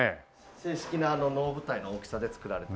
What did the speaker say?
正式な能舞台の大きさで造られてる。